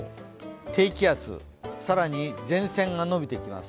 低気圧、更に前線が伸びてきます。